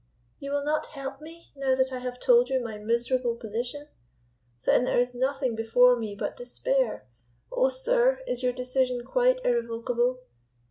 "You will not help me now that I have told you my miserable position? Then there is nothing before me but despair. Oh, sir, is your decision quite irrevocable?